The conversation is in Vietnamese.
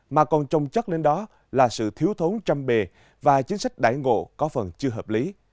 mà còn trông chất lên đó là sự thiếu thốn trăm bề và chính sách đải ngộ có phần chưa hợp lý